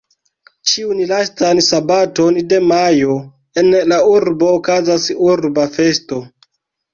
Ĉiun lastan sabaton de majo en la urbo okazas Urba Festo.